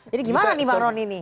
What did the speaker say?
jadi gimana nih pak ron ini